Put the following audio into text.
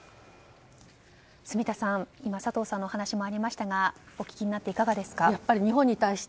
住田さん、佐藤さんの話にもありましたがお聞きになっていかがですか。